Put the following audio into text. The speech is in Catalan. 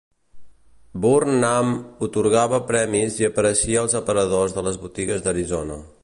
Burnham atorgava premis i apareixia als aparadors de les botigues d'Arizona.